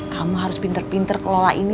kamu harus pinter pinter kelola ini